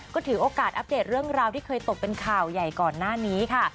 ก็ถือโอกาสอัปเดตเรื่องราวที่เคยตกเป็นข่าวใหญ่ก่อนหน้านี้ค่ะ